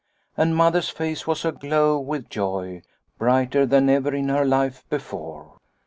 And Mother's face was aglow with joy, brighter than ever in her life before.